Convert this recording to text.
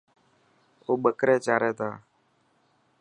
او بڪري چاري تا.